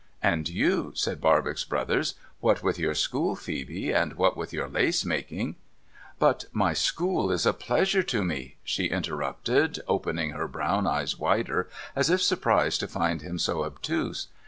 ' And you,' said Barbox Brothers, ' what with your school, Phcebe, and what with your lace making '' But my school is a pleasure to me,' she interrupted, opening her brown eyes wider, as if surprised to find him so obtuse.